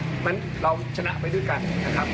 เราชนะไปด้วยกันนะครับ